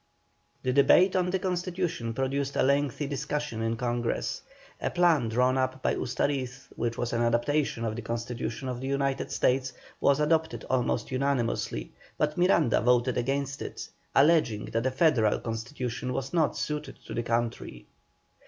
The debate on the Constitution produced a lengthy discussion in Congress. A plan drawn up by Ustariz, which was an adaptation of the Constitution of the United States, was adopted almost unanimously, but Miranda voted against it, alleging that a Federal Constitution was not suited to the country.